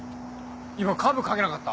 今カーブかけなかった？